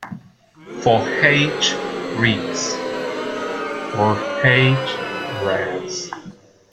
For H Res.